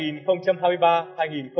với những khó khăn và hạn chế đó